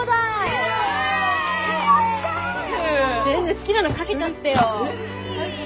好きなのかけちゃってよ。